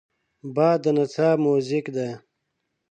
باد د نڅا موزیک دی